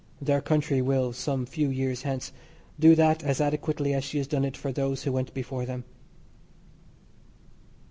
Their country will, some few years hence, do that as adequately as she has done it for those who went before them.